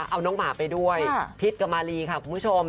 เอาน้องหมาไปด้วยพิษกับมารีค่ะคุณผู้ชม